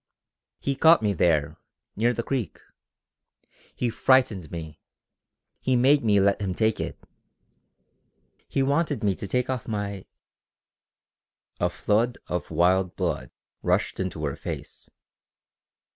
"He caught me there, near the creek. He frightened me. He made me let him take it. He wanted me to take off my...." A flood of wild blood rushed into her face.